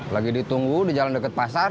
lagi ditunggu di jalan dekat pasar